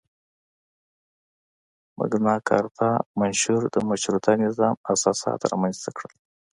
مګناکارتا منشور د مشروطه نظام اساسات رامنځته کړل.